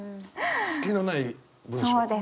隙のない文章？